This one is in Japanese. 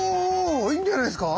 いいんじゃないですか！